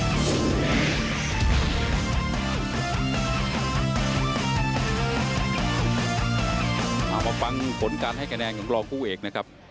เอามาฟังผลการให้คะแนนของรองผู้เอกนะครับ